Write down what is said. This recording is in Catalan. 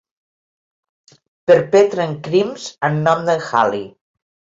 Perpetren crims en nom d'en Halley.